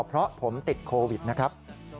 เพราะผมติดโควิดนะครับ